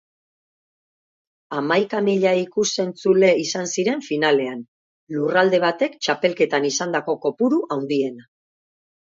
Hamaika mila ikusentzule izan ziren finalean, lurralde batek txapelketan izandako kopuru handiena.